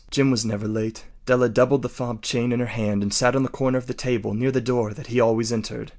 Jim was never late. Della doubled the fob chain in her hand and sat on the corner of the table near the door that he always entered.